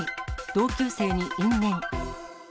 同級生に因縁。